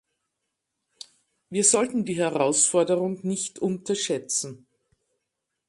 Wir sollten die Herausforderung nicht unterschätzen.